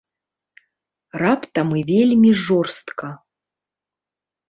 Раптам і вельмі жорстка.